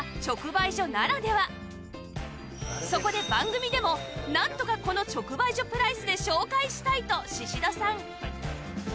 そこで番組でもなんとかこの直売所プライスで紹介したいと宍戸さん